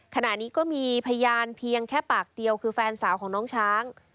ขณะนี้ก็มีพยานเพียงแค่ปากเดียวคือแฟนสาวของน้องช้าง